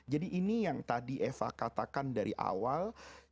jadi ini yang tadi eva katakan dari awal